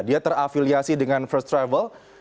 dia terafiliasi dengan first travel